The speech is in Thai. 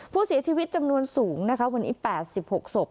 ผู้เสียชีวิตจำนวนสูงนะคะวันนี้๘๖ศพ